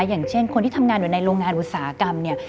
อย่างเช่นคนที่ทำงานอยู่ในโรงงานอุตสาหกรรมเนี่ย